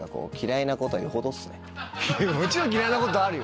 もちろん嫌いなことあるよ。